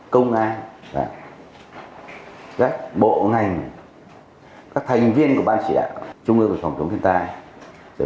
công an các bộ ngành các thành viên của ban chỉ đạo trung ương của tổng thống thiên tai